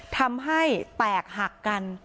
ทำให้แตกหักกัน